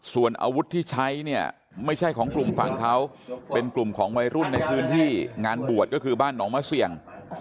ส่วนอาวุธที่ใช้เนี่ยไม่ใช่ของกลุ่มฝั่งเขาเป็นกลุ่มของวัยรุ่นในพื้นที่งานบวชก็คือบ้านหนองมะเสี่ยง